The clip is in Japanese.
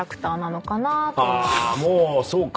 もうそうか。